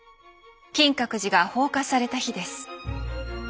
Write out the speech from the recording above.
金閣寺が放火された日です。